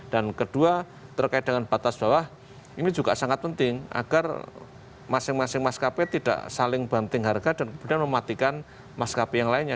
dan kedua terkait dengan batas bawah ini juga sangat penting agar masing masing maskapai tidak saling banting harga dan kemudian mematikan maskapai yang lainnya